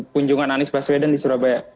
kunjungan anies baswedan di surabaya